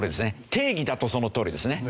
定義だとそのとおりですね。